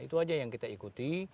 itu aja yang kita ikuti